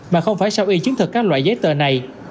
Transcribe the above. mà không phải sau y chứng thực các loại giấy tờ này